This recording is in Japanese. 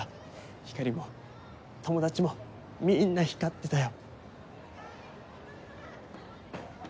ひかりも友達もみんな光ってたよ。